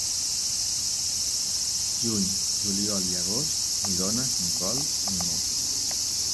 Juny, juliol i agost, ni dones, ni cols, ni most.